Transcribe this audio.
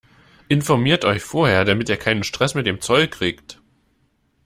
Informiert euch vorher, damit ihr keinen Stress mit dem Zoll kriegt!